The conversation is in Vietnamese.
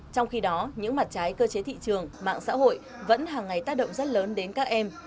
trong khi đó những mặt trái cơ chế thị trường mạng xã hội vẫn hàng ngày tác động rất lớn đến các em